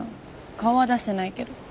顔は出してないけど。